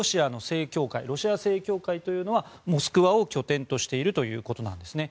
ロシア正教会というのはモスクワを拠点としているということなんですね。